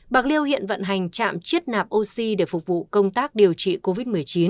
bạc liêu hiện vận hành trạm chiết nạp oxy để phục vụ công tác điều trị covid một mươi chín